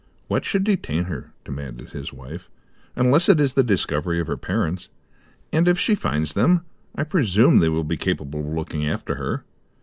"What should detain her," demanded his wife, "unless it is the discovery of her parents? And, if she finds them, I presume they will be capable of looking after her.